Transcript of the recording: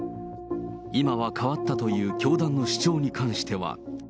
今は変わったという教団の主張に関しては。